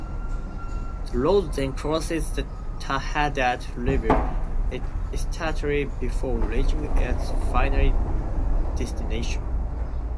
The road then crosses the Tahaddart river estauary before reaching its final destination.